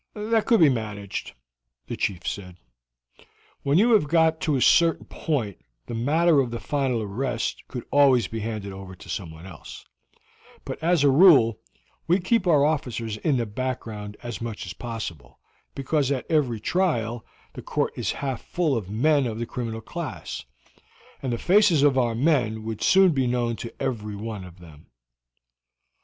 "That could be managed," the chief said "When you have got to a certain point the matter of the final arrest could always be handed over to someone else, but as a rule we keep our officers in the background as much as possible, because at every trial the court is half full of men of the criminal class, and the faces of our men would soon be known to every one of them.